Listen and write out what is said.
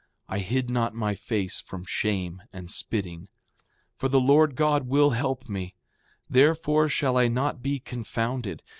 I hid not my face from shame and spitting. 7:7 For the Lord God will help me, therefore shall I not be confounded.